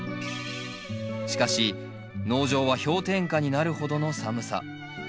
しかし農場は氷点下になるほどの寒さ。